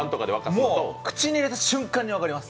もう口に入れた瞬間に分かります。